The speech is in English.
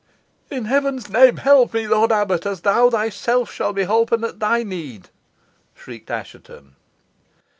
"In Heaven's name, help me, lord abbot, as thou thyself shall be holpen at thy need!" shrieked Assheton.